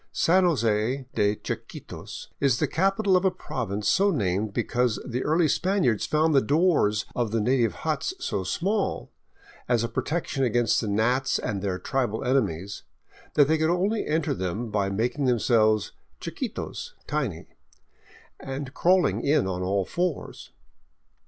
San Jose de Chiquitos is the capital of a province so named because the early Spaniards found the doors of the native huts so small, as a protection against gnats and their tribal enemies, that they could only enter them by making themselves chiquitos (tiny) and crawling in on all fours.